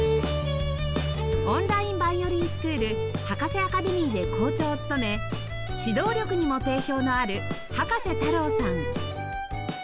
オンライン・バイオリンスクール葉加瀬アカデミーで校長を務め指導力にも定評のある葉加瀬太郎さん